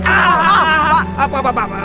pak pak pak